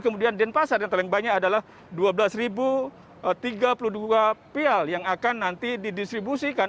kemudian denpasar yang paling banyak adalah dua belas tiga puluh dua pial yang akan nanti didistribusikan